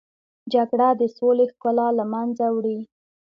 جګړه د سولې ښکلا له منځه وړي